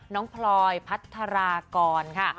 น้องพลอยพัทรากรค่ะ